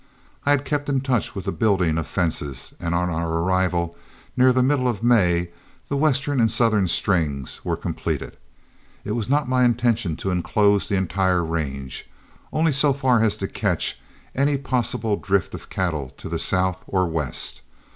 I had kept in touch with the building of fences, and on our arrival, near the middle of May, the western and southern strings were completed. It was not my intention to inclose the entire range, only so far as to catch any possible drift of cattle to the south or west.